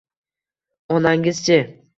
Onangiz-chi?